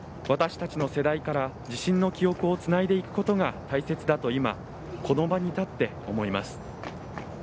私たちの世代から地震の記憶をつないでいくことが大切だと今、この場に立って思います。